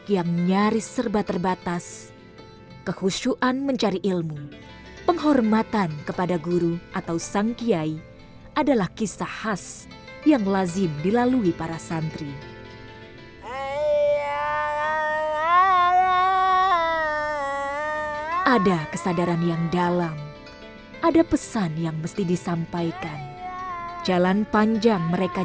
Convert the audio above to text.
yaitu silsila atau riwayat ilmu